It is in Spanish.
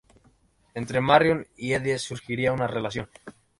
Entre Marion y Eddie surgirá una relación...